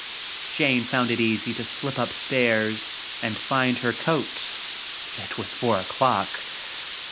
Jane found it easy to slip up stairs and find her It was four o'clock.